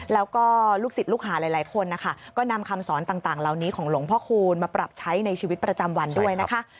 แล้วก็ลูกศิษย์ลูกหาหลายคนนะคะก็นำคำสอนต่างเหล่านี้ของหลวงพ่อคูณมาปรับใช้ในชีวิตประจำวันด้วยนะคะ